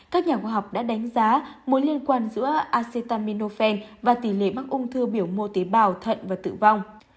các nhà khoa học đã đánh giá mối liên quan giữa acitaminophen và tỷ lệ mắc ung thư biểu mô tế bào thận và tử vong